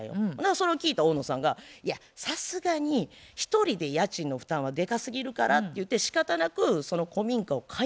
それを聞いた大野さんがいやさすがに一人で家賃の負担はでかすぎるからってゆうてしかたなくその古民家を解約することになってん。